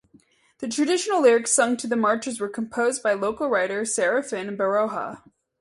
The traditional lyrics sung to the marches were composed by local writer Serafin Baroja.